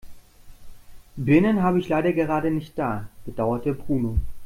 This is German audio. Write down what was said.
Birnen habe ich leider gerade nicht da, bedauerte Bruno.